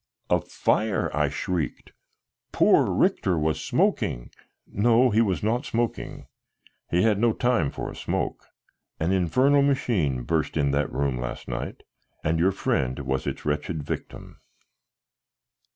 "A fire!" I shrieked. "Poor Richter was smoking " "No, he was not smoking. He had no time for a smoke. An infernal machine burst in that room last night and your friend was its wretched victim."